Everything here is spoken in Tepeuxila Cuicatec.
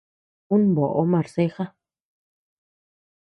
Ú boʼo marceja.